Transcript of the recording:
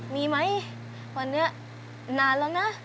มีไหมวันนี้นานแล้วนะ